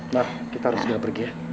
nah kita harus segera pergi ya